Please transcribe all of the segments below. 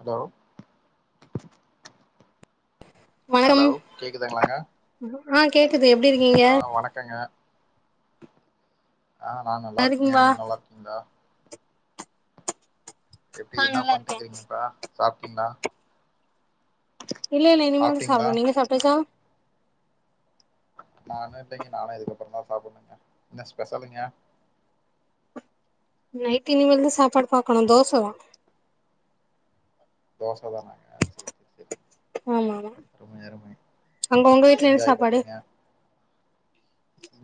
அதோ வணக்கம் ஹலோ கேக்குதுங்களாங்க ஆ கேக்குது எப்டி இருக்கீங்க அ வணக் இருக்கங்க ஆ நா நல்லா இருக்கங்க நீங்க நல்லா இருக்கீங்ளா எப்டி ஆ என்ன நல்லா இருக்கே பண்ணக்கறீங்க இப்ப சாப்டீங்ளா இல்ல இல்ல இனிமேல்தா சாப்ட்டீங்களா சாப்டனு நீங்க சாப்ட்டாச்சா நானு இல்லைங்க நானு இதுக்கப்புற தா சாப்படனுங்க என்ன ஸ்பெஷ்ஷலுங்க நைட்டு இனிமேல் தா சாப்பாடு பாக்கணு தோச தா தோசதானங்க சேரிங்க சேரிங்க ஆமா ஆமா அங்க உங்க வீட்ல என்ன என்ஜாய் சாப்பாடு பண்ணுங்க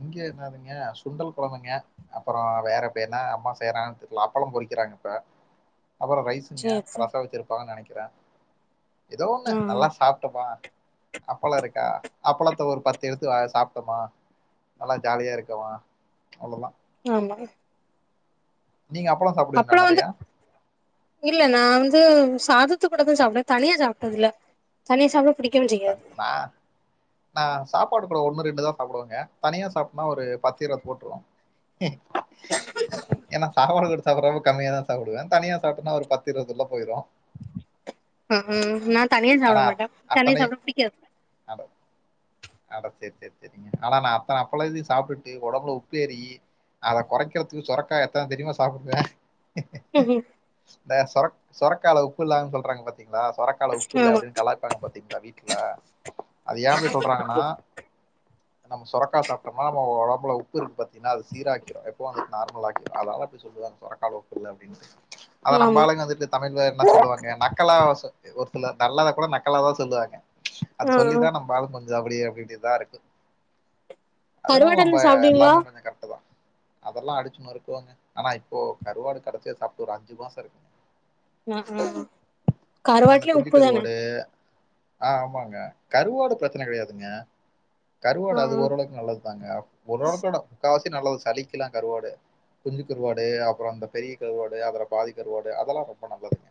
இங்க என்னதுங்க சுண்டல் கொழம்புங்க அப்பறோ வேற இப்ப என்ன அம்மா செய்யறாங்க தெர்ல அப்பளோ பொறிக்கிறாங்க இப்ப அப்பறோ ரைஸ் ஸுங்க சேரி சேரி ரசோ வச்சிருப்பாங்கன் நனைக்கிற ஏதோ ஒண்ணு ஆ நல்லா சாப்டோமா அப்பல்ளோ இருக்கா அப்பளத்த ஒரு பத்து எடுத்து வ சாப்ட்டமா நல்லா ஜாலியா இருக்கமா அவ்ளோதா ஆமா நீங்க அப்பளோ சாப்டுவீங்ளா அப்பளோ வந்து நறையா இல்ல நா வந்து சாதத்து கூட தா சாப்டுவே தனியா சாப்ட்டதுல்ல தனியா சாப்ட புடிக்கவு டங் செய்யாது நா நா சப்பாடு கூட ஒண்ணு ரெண்டுதா சாப்டுவங்க தனியா சாப்டனா ஒரு பத்து இருவது போட்ருவ க ஏனா சாப்பாடு கூட சாப்பட்றது கம்மியதா சாப்டுவ தனியா சாப்டனா ஒரு பத்து இருவது உள்ள போயிரு அஹு நா தனியா ஆனா சாப்ட அத் மாட்ட தனியா அத்தனை சாப்ட புடிக்காது [unintelligible] ஆட செரி செரி செரிங்க ஆனா நா அத்தன அப்பளத்தயு சாப்ட்டுட்டு ஒடம்புல உப்பேறி அத கொறைக்கறதுக்கு சொரக்கா எத்தன தெரியுமா சாப்டுவ ம் கு இந்த சொரக் சொரக்கால உப்புலன்னு சொல்றாங்க பாத்தீங்ளா சொரக்கால ம் ஆமா உப்பில்ல கலா ய்க்றாங்க பாத்தீங்ளா வீட்ல அது ஏ அப்டி சொல்றாங்கனா நம்ம சொரக்கா சாப்டமா நம்ப ஒடம்புல உப்பு இருக்கு பாத்தீங்கன்னா அது சீராக்கிரு ரெட்வாம்ஸ் நார்மலாக்கிரு அதனால சொல்லுவாங்க சொரக்கால உப்பு இல்ல அப்டின்ட்டு அத ஆமா நம்மாளுங்க வந்துட்டு தமிழ்ல என்ன சொல்லுவாங்க நக்கலா ஒரு சிலர் நல்லத கூட நக்கலாதா சொல்லுவாங்க அது ஆ சொல்லிதா நம்ப ஆளுங் கொஞ்சோ அப்டியே அப்டி இப்டிதா இருக்கு அதனால கருவாடு நம்ம எண்ண சாப்டுவீங்களா எல்லாமே கொஞ்சோ கரெக்ட்டு தா அதல்லா அடிச்சு நொருக்கவங்க ஆனா இப்போ கருவாடு கடைசியா சாப்ட்டு ஒரு அஞ்சு மாசோ இருக்குங்க ம் ம் அந்த கருவாட்லயு குஞ்சி உப்பு தான கருவாடு ஆ ஆமாங்க கருவாடு பிரச்சன கடையாதுங்க கருவாடு ஆ அது ஆ ஓரளவுக்கு நல்லதுதாங்க ஓரளவுக்குட முக்காவாசி நல்லது சளிக்லா கருவாடு குஞ்சு கருவாடு அப்புறோ அந்த பெரிய கருவாடு அதுல பாதி கருவாடு அதல்லா ரொம்ப நல்லதுங்க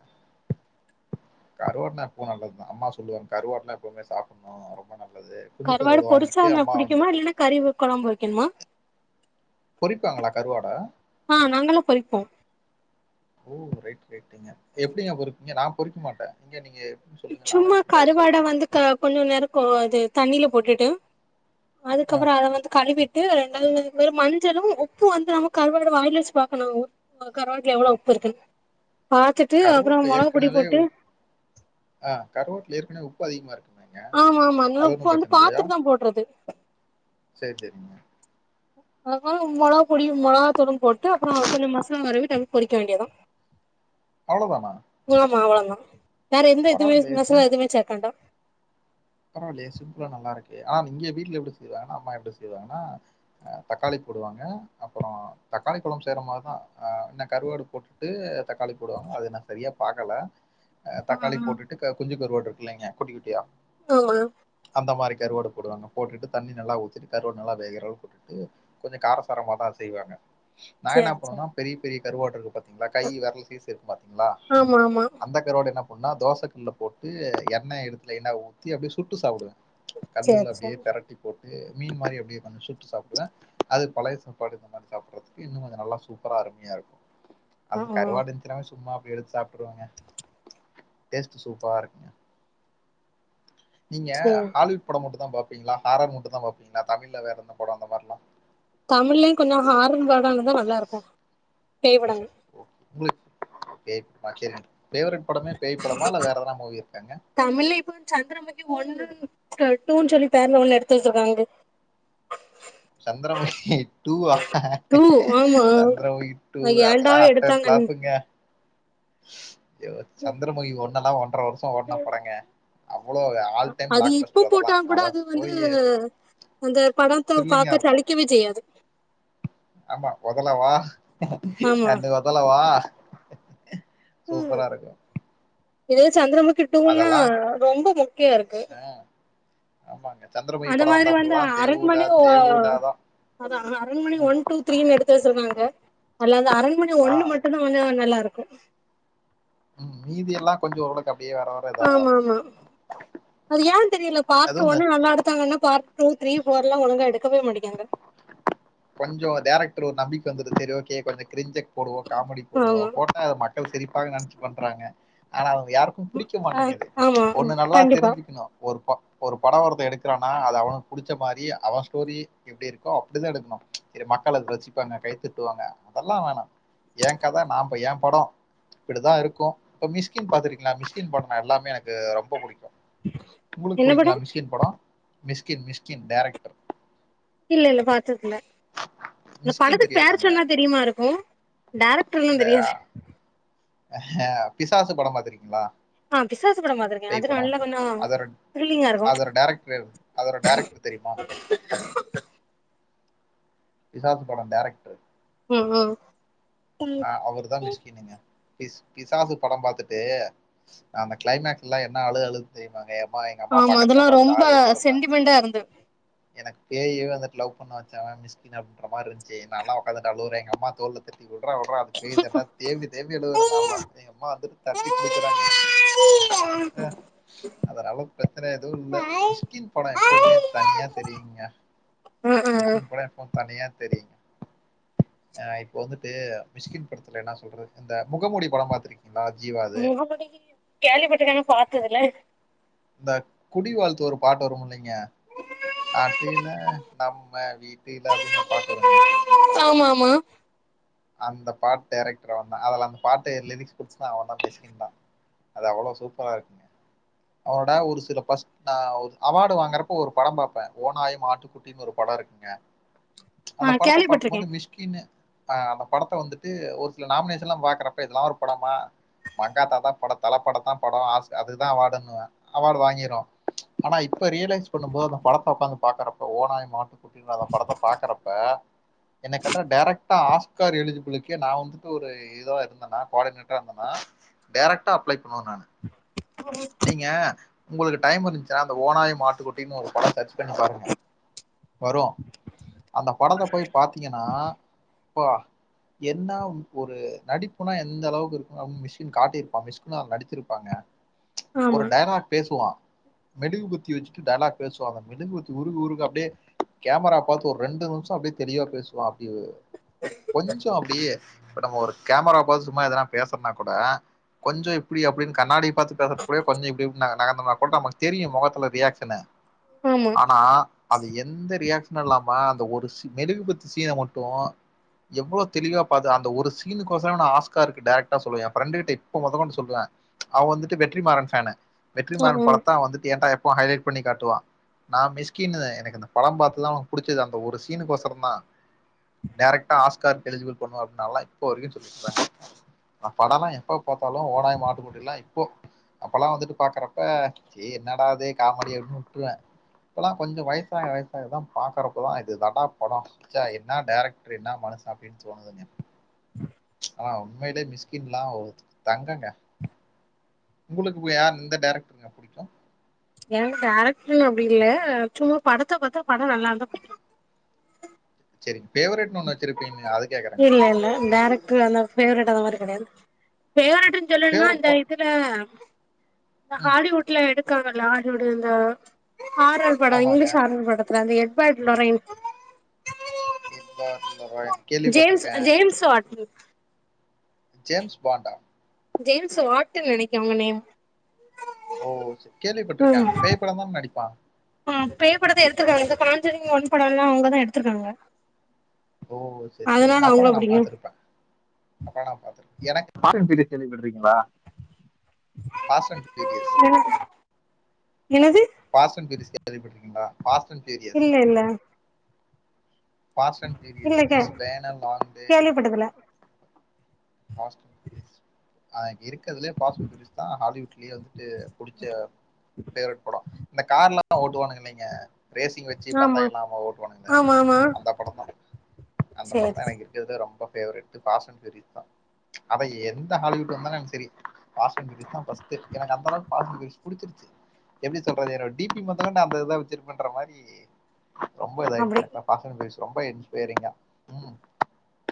கருவாடலா எப்பவு நல்லதுதா அம்மா சொல்லுவாங்க கருவாடுல்லா எப்பவுமே சாப்பட்ணு ரொம்ப நல்லது குஞ்சு கருவாடு வாங்கிட்டு பொரிச்சாதா அம்மா புடிக்குமா வந்துட்டு இல்லனா கறி கொழம்பு வைக்கணுமா பொறிப்பாங்களா கருவாட ஆ நாங்களா பொறிப்போ ஓ ரைட் ரைட்டுங்க எப்டிங்க பொறுபிக்கீங்க நா பொறிக்க மாட்ட அங்க நீங்க எப்டின்னு சொல்லுங்க நானு சும்மா எப்டின்னு பாத்து கருவாட சொல்றே வந்து க கொஞ்சோ நேரோ கொ அது தண்ணில போட்டுட்டு ஆ அதுக்கப்புறோ அத வந்து கழுவி [unintelligible] ரெண்டாது மஞ்சளு உப்பு வந்து நம்ம கருவாட வாயில்ல வச்சு பாக்கனு கருவாட்டல எவ்ளோ உப்பு இருக்கு பாத்துட்டு அப்புறோ கருவாட்டுல மிளகுபொடி ஏற்கனவே போட்டு ஆ கருவாட்டல ஏற்கனவே உப்பு அதிகமாருக்குமேங்க அது ஒன்னு பிரச்சன இல்லையா ஏது சேரி சேரிங்க மொளகா பொடியு மொளகா தூளு போட்டு அப்புறோ கொஞ்சோ மசலா தடவ வரவே தகு பொறிக்க வேண்டியதா அவ்ளோ தானா ஆமா அவ்ளோ தா வேற எந்த எதுவுமே பரவாயில்லயே மசாலா எதுவுமே சேக்க வேண்டா பரவாயில்லயே சிம்பிளா நல்லா இருக்கு ஆனா நீங்க வீட்ல எப்டி செய்வாங்கன்னா அம்மா எப்டி செய்வாங்கன்னா தக்காளி போடுவாங்க அப்புறோ தக்காளி குளம்பு செய்ற மாரிதா என்ன கருவாடு போட்டு போட்டு தக்காளி போடுவாங்க அது நா சரியா பாக்கல ஆ தக்காளி ஆ போட்டுட்டு குஞ்சு கருவாட்டு இருக்கு இல்லலேங்க குட்டி குட்டியா ஆமா அந்த மாரி கருவடு போடு வாங்க போட்டு தண்ணி நல்லா ஊத்திட்டு கருவடு நல்ல வேகரா அளவுக்கு [unintelligible] கொஞ்சோ காரசாரமாதா செய்வாங்க நா என்ன சேரி சேரி பண்ணனுவேனா பெரிய பெரிய கருவாட்டு இருக்கு பாத்த்த்தீங்களா கை விரல் சேச இருக்கு பாத்தீங்களா ஆமா ஆமா அந்த கருவோட என்ன பண்ணா தோச கல்லல போட்டு எண்ணெய் எடுத்துல எண்ண ஊத்தி அப்டியே சுட்டு சாப்படுவே சேர் கல்லுல அப்டியே சேர் பெரட்டி போட்டு மீன் மாரி அப்டியே சுட்டு சாப்பிடுவே அது பழய சாப்பாடு இந்த மாரி சாப்படறதுக்கு இன்னு கொஞ்சோ நல்லா சூப்பரா அருமையா இருக்கு ஆ அது ஆ கருவாடு இருஞ்சினாலே சும்மா அப்டியே எடுத்து சாப்பிடுருவேங்க டேஸ்ட் சூப்பரா இருக்குங்க நீ சேர் ஹாலிவுட்டம் படம் மட்டும் தான் பாபீங்களா ஹாரர் மட்டும் தான் பாபீங்களா தமில்ல வேறந்த எந்த படம் அந்த மாரிலா தமிழ்லயு கொஞ்சோ ஹார் படம்யிருந்த நல்லா இருக்கு பேய்பாடாங்க உ உங்களாகு சரிவரட் பாவரட் படமே பேய் படமா இல்ல வேறதாவா மூவி இருக்காங்க தமிழ்ல இப்ப சந்திரமுக்கி ஒன்னு டூன்னு சொல்லி பேர்ல ஒண்ணு எடுத்து வேச்சுருக்காங்க சந்திரமுகி டுவா டூ ஆமா சந்திரமுகி டூ லா ஏன்டா அதெல்லா அட்டா எடுத்தாங்கன் பிழப்புங்க சந்திரமுகி ஒண்ணல்லா ஒன்றரை வருஷ ஓடுன படங்கா அவ்வளோ ஆல் டைம் அது பிளாக் இப்ப பஸ்டர் அதெல்லா அதா போய் இந்த படத்தை பாக்க சளிக்கவே செய்யாது ஆமா உதல வா ஆமா அண்ணு வதலவா ம் இதே சந்திரமுக்கி டுன அதெல்லாம் ரொம்ப மொக்காய இருக்கு ஆமாங்க சந்திர அந்த மாரி வந்து அரண்மனை தான் அத அரண்மனை ஒன் டூ தரீனு எடுத்து வேச்சுருக்கா அதுல அந்த அரண்மனை ஆ ஒண்ணு மட்டுதா வந்து நல்லா இருக்கு ம் நீதிய எல்லாம் கொஞ்சம்றடங உரளக்கு அப்படியே வர வ ஆமா ஆமா அது ஏ பர்ட் அதுவும் இந்த ஓன்னு நல்லா எடுக்தாங்க டூ த்ரீ போர் எல்லா ஒழுங்க எடுக்கவே மாட்டங்காங்றா கொஞ்சோ டேரக்டர் ஒரு நம்பிக்கை வந்துது சேரி ஓகே கொஞ்சம் கிஞ்சக் போடுவோ காமெடி போடுவோ ஆமா போ அது மக்கள் சிரிப்பாக நினைச்சி பண்றாங்க ஆனா அவங்க யாரு புடிக்க ஆ மாட்டேங்குது ஆமா ஒண்ணு நல்லா கண்டிப்பா தெரிஞ்சுக்கணு ஒரு ப ஒரு படம் ஒருத்த எடுக்கிறானா அது அவனு புடிச்ச மாரி அவன் ஸ்டோரி எப்படி இருக்கோ அப்படி தா எடுக்கணு மக்களுக்கு ரசிபாஙக வச்சிப்பாங்க கைத்துட்டுவாங்க அதெல்லாம் ஏ கதை நாம ஏ படம் இப்படித்தா இருக்கும் இ மிஸ்கின் பாத்திருக்கீங்களா மிஸ்கின் படன எல்லாமே எனக்கு ரொம்ப பிடிக்கு உங்களுக்கு என்ன பிடிக்கலா படம் மிஸ்கின் படம் மிஸ்கின் மிஸ்கின் டேரக்டர் இல்ல இல்ல பாத்தாதுல்ல இந்த மிஸ்கின் படத்துக் பேர தெரியாதாங்க சொன்னா தெரியுமா இருக்கு டேரக்ருல்லா இந்த தெரியாது பிசாசு பட பாத்துருக்கீங்ளா ஆ பிசாசு படம் பாத்திருக்கே பேய் அது படோ நல்லா கொஞ்சோ அதோரட் த்ரில்லிங்கா இருக்கு அதோர டேரக்ட்ரேவ் அதோர டேரக்ட்ரு தெரிய்மா அஹ பிசாசு படோ டேரக்ட்ரு ம் ம் அ அவுருதா மிஸ்கினுங்க இஸ் கிசாசு பட பாத்துட்டு அந்த க்ளைமேக்ஸ்ல்லா என்னா அழுக அழு தெய்மாங்க எம்மா எங் அம்மா ஆமா பக்கத்ல அதெல்லா ஒக்காந்துட்டு ரொம்ப ஆறுதல் சொன்னாங்க சென்டிமெண்டா இருந்து எனக்கு பேயவே வந்துட்டு லவ் பண்ண வச்சவன் மிஸ் கின் அப்ன்ட்ற் மாரிந்துச்சு நல்லா உக்காந்துட்டு அழுவுற எங் அம்மா தோல்ல தடி குடுத் உட்ற உட்ற அது போய் தான்டா தேம்பி தேம்பி அழுவுற நல்லா ம் எங்கமா வந்துட்டு தட்டி ம் குடுக்குறாங்க எனக்கு அ அதனாலு ப்ரச்சன எதுவு இல்ல மிஸ்கின் பட எப்பவுமே தனியா தெரியுங்க மிச்சின் பட எப்பவு தனியா தெரியிங் அ இப்போ வந்துட்டு மிஷ்கின் படத்துல என்னா சொல்றது இந்த முகமூடி பட பாத்துருக்கீங் ளா ஜீவா முகமூடி கேள்விபட்ருக்க அனா பாத்ததுல்ல இந்த குடி வாழ்த்து ஒரு பாட்டு வரும் இல்லைங்க நாட்டில நம்ம வீட்டில அப்டின் ஒரு பாட்டு வருமே ஆமாமா அந்த பாட் டேரெக்டர் அவந்தா அதல அந் பாட்டு லிரிக்ஸ் குடுச்சுதா அவன்தா மிஷ்கின்தா அது அவளோ சூப்பரா இருக்குங்க அவனோட ஒரு சில ஃபஸ்ட் நா ஒரு அவாடு வாங்குறப்ப ஒரு பட பாப்ப ஓநாயும் ஆட்டுக்குட் டின் ஒரு பட இருக்குங்க ஆ அந்த படத்த கேள்விப்பட்டிருக்கே பாக்கும்போது மிஷ்கின்னு அ அந்த படத்த வந்துட்டு ஒரு சில நாமினேஷன்லா பாக்குறப்ப இதுலா ஒரு படமா மங்காத்தா தா படோ தலப்படோந்தா படோ ஆஸ் அதுக்குதா அவாடுன்னுவ அவாடு வாங்கிரு அனா இப்ப ரியலைஸ் பண்ணும்போது அந்த படத்த ஒக்காந்து பாக்கறப்ப ஓநாயு மாட்டு குட்டிங்ளா அந்த படத்த பாக்கறப்ப என்ய கேட்டா டேரக் டா ஆஸ்கார் எளிஜிபுலுக்கே நா வந்துட்டு ஒரு இதுவா இருந்தனா கோவாடினேட்ரா இந்தனா டேரக்ட்டா அப்ளை பண்ணுவ நானு நீங்க உங்களுக்கு டைம் இருந்ச்சுனா அந்த ஓனாயும் மாட்டு குட்டின் ஒரு படோ சச் பண்ணி பாருங்க வரு அந்த படத்த போய் பாத்தீங்கனா இப்பா என்னா ஒரு நடிப்புனா எந்த அளவுக்கு இருக்குனு அம் மிஷ்கின் காட்டிருப்பா மிஷ் ன்லா நடிச்சிருப்பாங்க ஒரு ஆமா டயலாக் பேசுவா மெழுகுபத்தி வெச்சிட்டு டயலாக் பேசுவா அந்த மெழுகு வத்தி உருக உருக அப்டே கேமரா பாத்து ஒர் ரெண்டு நிம்ஷ அப்டே தெளிவா பேசுவா அப்டிவு கொஞ்சோ அப்டியே இப்ப நம்ம ஒரு கேமராவ பாத்து சும்மா எதனா பேசற்த்னா குட கொஞ்சோ இப்புடி அப்புடின் கண்ணாடிய பாத்து பே இப்புடே பண்ணி இப்புடே உட்னாங்க நாகந்தனா போட்டா மக் தெரியு மொகத்துல ரியாக்ஷனு ஆமா ஆனா அது எந்த ரியாக்ஷனு இல்லாம அந்த ஒரு சி மெழுகு பத்தி சீன மட்டு எவ்வுளோ தெளிவா பாத்த அந்த ஒரு சீனுக்கோசரமே நா ஆஸ்கார்க்கு டேரக்ட்டா சொல்லுவ ஏ ஃப்ரண்ட்கிட்ட இப்ப மொதக்கொண்டு சொல்லுவ அவ் வந்துட்டு வெற்றிமாறம் ஃபேனு ஆ வெற்றிமாறன் ஆ படத்த அவ வந்துட்டு ஏன்ட்ட எப்பவு ஹைலைட் பண்ணி காட்டுவா நா மிஸ்கின்னுவே எனக்கு அந்த படோ பாத்துதா உனக்கு புடிச்சது அப்ப ஒரு சீனுக்கொசொரோ தா டரக்டா ஆஸ்கார்க்கு எளிஜிபில் பண்ணுவே அப்டின் நல்லா இப்போவரைக்கு சொல்லிட்டு இருந்தாங்க நா படோலா எப்போ பாத்தாலு ஓநாயு மாட்டு குட்டியுலா இப்போ அப்போல்லா வந்துட்டு பாக்கறப்ப ஏய் என்னடா இது காமெடி அப்டின் உட்டுருவே இப்பெல்லா கொஞ்சோ வயசாக வயசாகதா பாக்கறப்போதா இதுதான்டா படோ ச்சா என்ன டேரக்ட்ரு என்ன மனுசு அப்டின் தோனுதுங்க ஆனா உண்மையிலே மிஸ்கின்லா ஒரு தங்கொங்க உங்களுக்கு இப்போ யார் இந்த டரக்டருங்க புடிக்கு எனக்கு டேரக்டர்னு அப்டி இல்ல சும்மா படத்த பாத்தா படோ நல்லா இருந்தா புடிக்கு சேரிங் ஃபேவரெட் இல்ல இல்ல டரக்ட்ரு அந்த ஃபேவரெட்டு அந்த மாரி கெடையாது ஃபேவரெட்டுன் சொல்லணும்னா ஃபேவரைட் அந்த பா இதுல இந்த ம். ஹாலிவுட்ல எடுக்காங்கல்லா ஹாலிவுட் இந்த ஹாரர் படோ ஆமாங்க. இங்கிலீஷ் ஹாரர் படத்துல அது எப்போ எட் பார் Lorraine [unintelligible] James James Wan James பாண்டா ஜேம்ஸ் வாட்டூனு நெனைக்கே அவங்க நேம் ஓ சேர் கேள்விப்பட்டிருக்கே ஆமா பேய்ப்படமா முன்னாடி பா ஆ பேய் படத்த எடுத்திருக்காங்க இந்த காஞ்சோரின் ஒன் படோ எல்லா அவங்கதா எடுத்திருக்காங்க ஓ செரி செரி அதனால அவங்கள அப்பல்லா நா புடிக்கு பாத்துருப்பே பார்த்திருக்கே எனக் பாசன் டி டி எஸ் கேள்விப்பட்டிருக்கீங்களா பாசன் டி டி எஸ் என என்னது பாஸன் டி டி எஸ் கேள்விப்பட்டு இருக்கீங்களா பாசன் டி டி இல்ல எஸ் இல்ல பாசன் D D S it's pan a long பே பட்டதுல ஆ இருக் அதுலயே பாஸ்ட் தா ஹாலிவுட்லயே வந்துட்டு புடிச்ச ஃபேவேரேட் படோ இந்த கார் எல்லா ஓட்டுவானுங்க இல்லைங்க ரேசிங் வச்சு ஆமா பந்தையம் இல்லாம ஓட்டுவானுங்கல ஆமா ஆமா அந்த படம் தா அந்த படம் சேரி தா சேரி எனக்கு இருக்கிறதுலே ரொம்ப ஃபேவரட் பாசன் தா அவ எந்த ஹாலிவுட் ஆ இருந்தாலு எனக்கு செரி பாஸ்டன் மூவி தா ஃபர்ஸ்ட் எனக்கு அப்பதா பாஸ்டன் மூவி புடிச்சிருச்சு எப்டி சொல்றது என்னோட டி பி பாத்தோனே நா அந்த இதா வச்சிருப்பன்ற மாரி ரொம்ப அப்டி இதாயிடுச்சு பாசன் சீரிஸ் ரொம்ப இன்ஸ்பைரிங்கா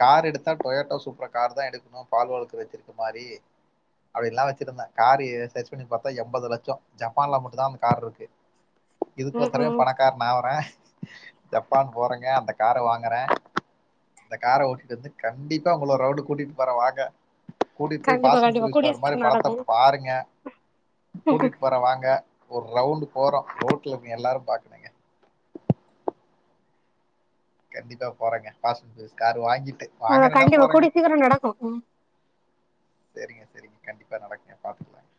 கார் எடுத்தா டோயோட்டோ சூப்பர் கார் தா எடுக்க ம் பால்வால் துறைக்கு மாரி அப்டி எல்லா வச்சிருந்தே காரு சர்ச் பண்ணி பாத்தா எண்பது லட்சோ ஜப்பான்ல மட்டு தா அந்த கார் இருக்கு இதுக்கு ம் ஒருத்தரே ம் பணக்கார நா வரே ஜப்பான் போறங்க அந்த கார வாங்குறே இந்த கார ஓட்டிட்டு வந்து கண்டிப்பா உங்கள ஒரு ரவுடு கூட்டிட்டு போறே வாங்க கூட்டிட் போய் கண்டிப்பா கண்டிப்பா பாசன கூடிய சொவற மாரி சீக்கிரோ நடக்கு படத்த பாருங்க கூட்டிட்டு போற வாங்க ஒரு ரவுண்ட் போறோ ரோட்டல இருக்கிற எல்லாரு பாக்கிறீங்க கண்டிப்பா போறங்க பாசர் காரு வாங்கிட்டு ஆ வாங்குறேன்னா கண்டிப்பா போறேங்க கூடிய சீக்கரோ நடக்கு ஆ செரிங்க செரிங்க கண்டிப்பா நடக்கு பாத்துக்கலாங்க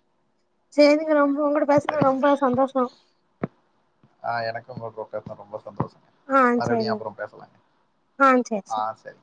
செரிங்க ரொம்ப உங்குட பேசன சரிங்க ரொம்ப சந்தோஷோ ஆ எனக்கு உங்க கூப்ட ரொம்ப சந்தோஷங்க ஆ மறுபுடியு சேரிங்க அப்பறோ பேசலாங்க சேரி சே ஆ சரி